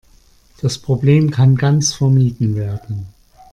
Das Problem kann ganz vermieden werden.